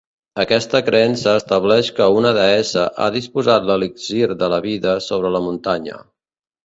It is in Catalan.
Aquesta creença estableix que una deessa ha dipositat l'elixir de la vida sobre la muntanya.